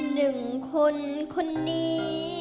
หลังจากนี่เอกนี่